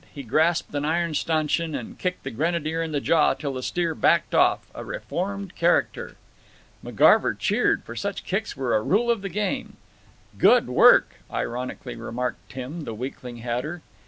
He grasped an iron stanchion and kicked the Grenadier in the jaw till the steer backed off, a reformed character. McGarver cheered, for such kicks were a rule of the game. "Good work," ironically remarked Tim, the weakling hatter.